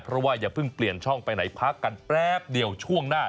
เพราะว่าอย่าเพิ่งเปลี่ยนช่องไปไหนพักกันแป๊บเดียวช่วงหน้า